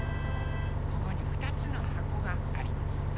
ここにふたつのはこがあります。